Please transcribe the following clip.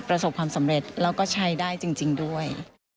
ประสบความสำเร็จแล้วก็ใช้ได้จริงด้วย